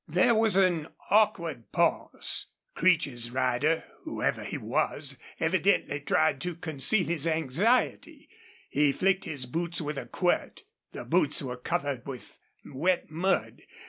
There was an awkward pause. Creech's rider, whoever he was, evidently tried to conceal his anxiety. He flicked his boots with a quirt. The boots were covered with wet mud.